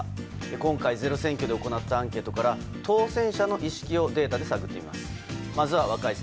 今回、「ｚｅｒｏ選挙」で行ったアンケートから当選者の意識を探ります。